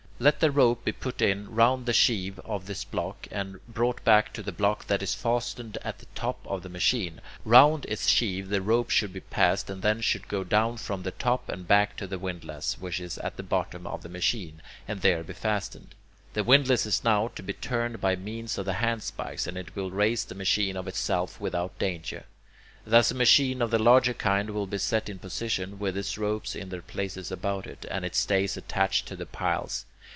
Let the rope be put in round the sheave of this block, and brought back to the block that is fastened at the top of the machine. Round its sheave the rope should be passed, and then should go down from the top, and back to the windlass, which is at the bottom of the machine, and there be fastened. The windlass is now to be turned by means of the handspikes, and it will raise the machine of itself without danger. Thus, a machine of the larger kind will be set in position, with its ropes in their places about it, and its stays attached to the piles.